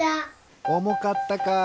おもかったか。